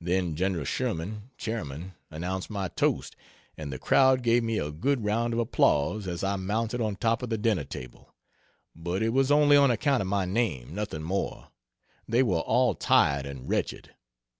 Then Gen. Sherman (Chairman) announced my toast, and the crowd gave me a good round of applause as I mounted on top of the dinner table, but it was only on account of my name, nothing more they were all tired and wretched.